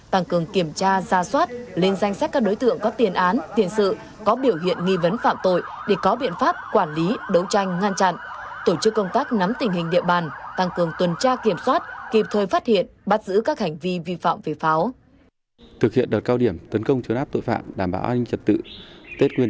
đồng thời triển khai đồng bộ các biện pháp nghiệp vụ đấu tranh ngăn chặn với các hành vi vi phạm về pháo nhất là tại các địa bàn trọng điểm pháp luật về pháo